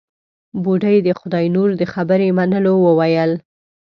بوډۍ د خداينور د خبرې منلو وويل.